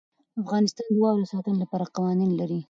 افغانستان د واوره د ساتنې لپاره قوانین لري.